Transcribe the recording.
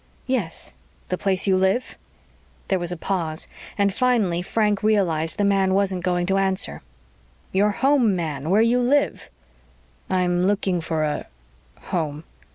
"Yes. The place you live." There was a pause, and finally Frank realized the man wasn't going to answer. "Your home, man. Where you live." "I'm looking for a home."